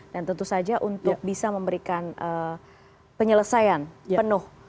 dan tentu saja untuk bisa memberikan penyelesaian penuh